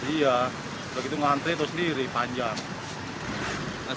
iya begitu ngantri terus sendiri panjang